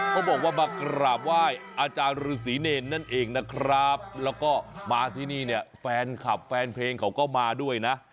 เขาบอกว่ามากราบไหว้อาจารย์ฤษีเนรนั่นเองนะครับแล้วก็มาที่นี่เนี่ยแฟนคลับแฟนเพลงเขาก็มาด้วยนะ